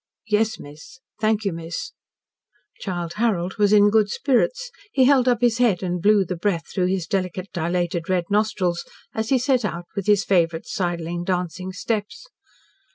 "Yes, miss. Thank you, miss." Childe Harold was in good spirits. He held up his head, and blew the breath through his delicate, dilated, red nostrils as he set out with his favourite sidling, dancing steps.